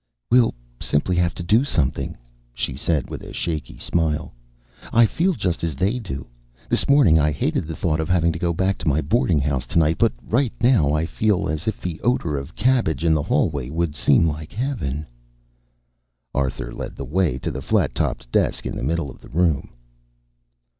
"We'll simply have to do something," she said with a shaky smile. "I feel just as they do. This morning I hated the thought of having to go back to my boarding house to night, but right now I feel as if the odor of cabbage in the hallway would seem like heaven." Arthur led the way to the flat topped desk in the middle of the room.